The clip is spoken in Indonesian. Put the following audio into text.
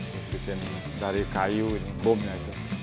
dibikin dari kayu ini bomnya itu